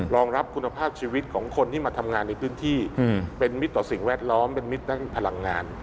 รองรับคุณภาพชีวิตของคนที่มาทำงานในพื้นที่เป็นมิตรต่อสิ่งแวดล้อมเป็นมิตรทั้งพลังงาน